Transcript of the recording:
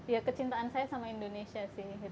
ya kecintaan saya sama indonesia sih